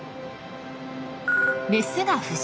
メスが浮上。